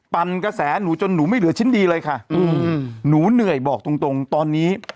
ปั่นกระแสหนูจนหนูไม่เหลือชิ้นดีเลยค่ะอืมหนูเหนื่อยบอกตรงตรงตอนนี้